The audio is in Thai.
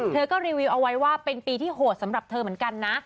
เธอก็รีวิวเอาไว้ว่าเป็นปีที่โหดสำหรับเธอเหมือนกันนะ